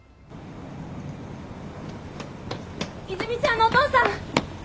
和泉ちゃんのお父さん！